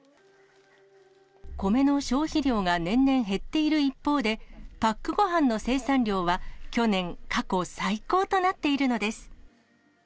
米の消費量が年々減っている一方で、パックごはんの生産量は去年、過去最高となっているのです。